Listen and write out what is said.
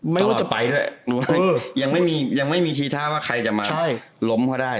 ไม่ว่าจะไปด้วยยังไม่มีทีท่าว่าใครจะมาล้มพอได้